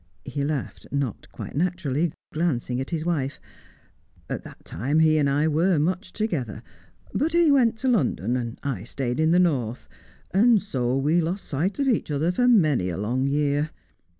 He laughed, not quite naturally, glancing at his wife. "At that time he and I were much together. But he went to London; I stayed in the North; and so we lost sight of each other for many a long year.